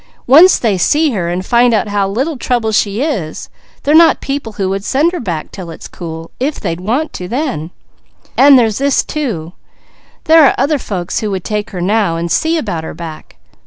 Once they see her, and find how little trouble she is, they're not people who would send her back 'til it's cool, if they'd want to then. And there's this, too: there are other folks who would take her now, and see about her back.